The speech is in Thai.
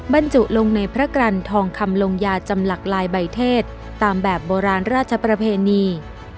บรรจุลงในพระกรรณทองคำลงยาจำหลักลายใบเทศตามแบบโบราณราชประเพณี